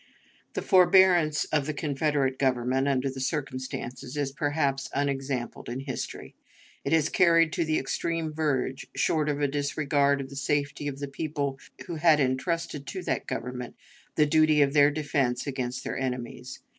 The forbearance of the Confederate Government, under the circumstances, is perhaps unexampled in history. It was carried to the extreme verge, short of a disregard of the safety of the people who had intrusted to that government the duty of their defense against their enemies.